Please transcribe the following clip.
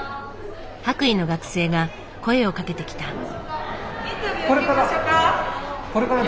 白衣の学生が声をかけてきた。